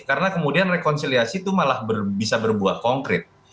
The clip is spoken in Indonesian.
karena kemudian rekonsiliasi itu malah bisa berbuah konkret